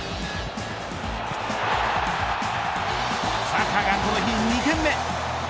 サカがこの日２点目。